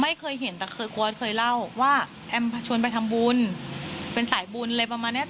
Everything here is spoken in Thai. ไม่เคยเห็นแต่เคยโค้ดเคยเล่าว่าแอมชวนไปทำบุญเป็นสายบุญอะไรประมาณเนี้ย